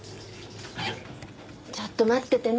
ちょっと待っててね。